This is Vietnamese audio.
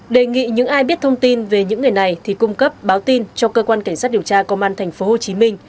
đề nghị những ai biết thông tin về những người này thì cung cấp báo tin cho cơ quan cảnh sát điều tra công an tp hcm